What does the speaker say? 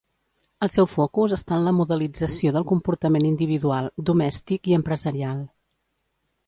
El seu focus està en la modelització del comportament individual, domèstic i empresarial.